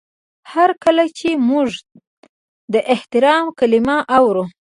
هر کله چې موږ د احترام کلمه اورو.